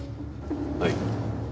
はい。